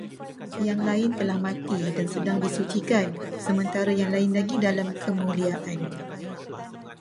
Yang lain telah mati dan sedang disucikan, sementara yang lain lagi dalam kemuliaan